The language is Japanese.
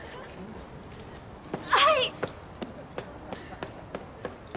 はい！